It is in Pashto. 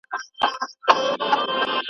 چي ګوربت د غره له څوکي په هوا سو ,